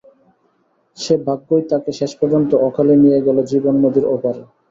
সেই ভাগ্যই তাঁকে শেষ পর্যন্ত অকালেই নিয়ে গেল জীবন নদীর ওপারে।